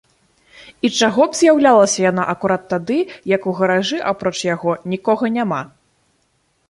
І чаго б з'яўлялася яна акурат тады, як у гаражы, апроч яго, нікога няма?